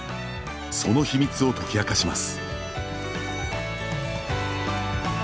その秘密を解き明かします。